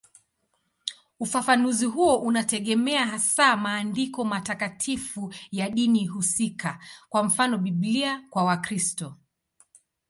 Ufafanuzi huo unategemea hasa maandiko matakatifu ya dini husika, kwa mfano Biblia kwa Wakristo.